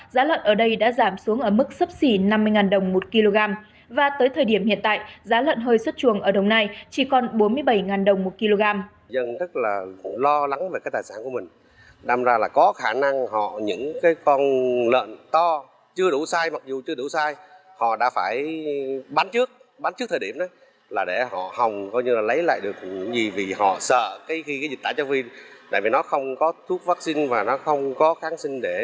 giá lợn ở đây đã giảm xuống ở mức sấp xỉ năm mươi đồng một kg và tới thời điểm hiện tại giá lợn hơi xuất chuồng ở đồng nai chỉ còn bốn mươi bảy đồng một kg